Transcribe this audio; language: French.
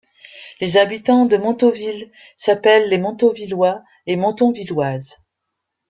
Les habitants de Montauville s'appellent les Montauvillois et Montauvilloises.